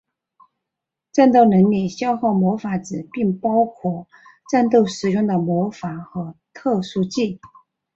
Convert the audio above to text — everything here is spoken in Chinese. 战斗能力消耗魔法值并包括战斗使用的魔法和特殊技。